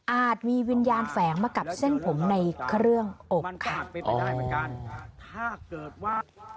อาจมีวิญญาณแฝงมากับเส้นผมในเครื่องอบค่ะ